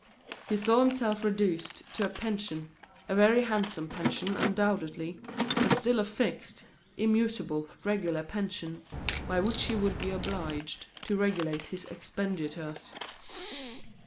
He saw himself reduced to a pension, a very handsome pension, undoubtedly, but still a fixed, immutable, regular pension, by which he would be obliged to regulate his expenditures.